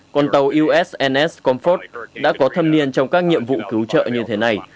còn tàu usns comfort đã có thâm niên trong các nhiệm vụ cứu trợ như thế này